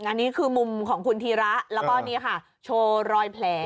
อันนี้คือมุมของคุณธีระแล้วก็นี่ค่ะโชว์รอยแผล